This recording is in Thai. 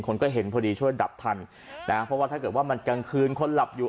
คนก็เห็นพอดีช่วยดับทันนะฮะเพราะว่าถ้าเกิดว่ามันกลางคืนคนหลับอยู่